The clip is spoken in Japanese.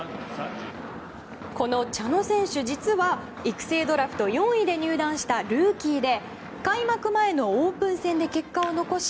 この茶野選手実は育成ドラフト４位で入団したルーキーで開幕前のオープン戦で結果を残し